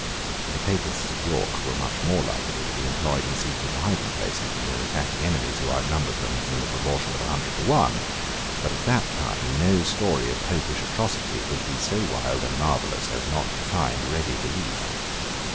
The Papists of York were much more likely to be employed in seeking for hiding places than in attacking enemies who outnumbered them in the proportion of a hundred to one. But at that time no story of Popish atrocity could be so wild and marvellous as not to find ready belief.